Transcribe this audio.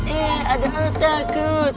eh ada takut